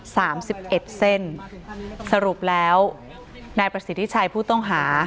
สามสิบเอ็ดเส้นสรุปแล้วนายประสิทธิชัยผู้ต้องหา